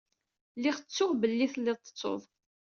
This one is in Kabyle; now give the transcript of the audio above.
Lliɣ ttuɣ belli telliḍ tettuḍ.